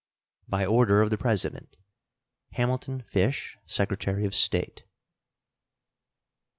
By order of the President: HAMILTON FISH, Secretary of State.